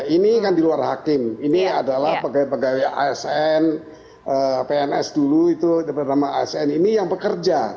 ini kan di luar hakim ini adalah pegawai pegawai asn pns dulu itu bernama asn ini yang bekerja